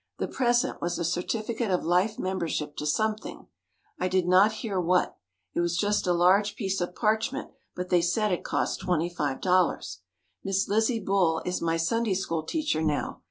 The present was a certificate of life membership to something; I did not hear what. It was just a large piece of parchment, but they said it cost $25. Miss Lizzie Bull is my Sunday School teacher now.